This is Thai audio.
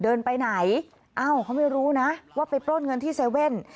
เดินไปไหนเอ้าเขาไม่รู้นะว่าไปโปรดเงินที่เซเว่น